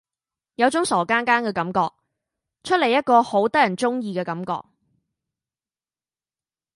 有種傻更更嘅感覺，出嚟一個好得人中意嘅感覺